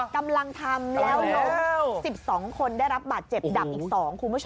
กำลังทำแล้วลูก๑๒คนได้รับบาดเจ็บดับอีก๒คุณผู้ชม